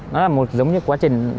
nó là giống như quá trình